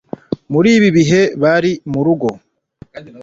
muri ibi bihe bari mu rugo.